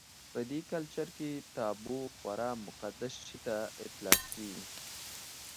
په دې کلچر کې تابو خورا مقدس شي ته اطلاقېږي.